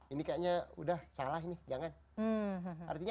ini kayaknya udah salah ini jangan